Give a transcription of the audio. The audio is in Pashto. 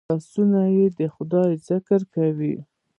لاسونه د خدای ذکر کوي